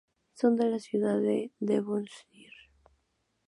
Son de la ciudad de Devonshire.